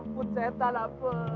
lu pikir setan lu berpenggik